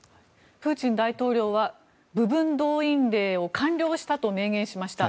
プーチン大統領は部分動員令を完了したと明言しました。